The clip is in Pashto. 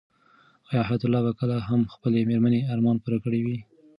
آیا حیات الله به کله هم د خپلې مېرمنې ارمان پوره کړی وي؟